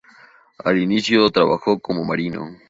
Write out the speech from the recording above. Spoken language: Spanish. Al inicio trabajó como marino.